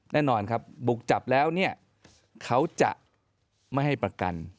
แน่นอนครับบุกจับแล้วเนี่ยเขาจะไม่ให้ประกัน